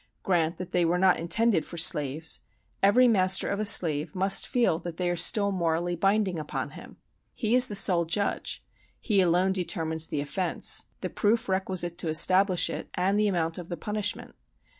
Grant that they were not intended for slaves; every master of a slave must feel that they are still morally binding upon him. He is the sole judge; he alone determines the offence, the proof requisite to establish it, and the amount of the punishment.